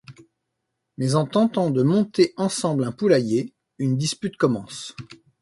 Mais en tentant de monter ensemble un poulailler, une dispute commence.